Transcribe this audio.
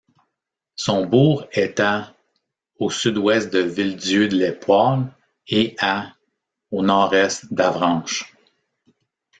Son bourg est à au sud-ouest de Villedieu-les-Poêles et à au nord-est d'Avranches.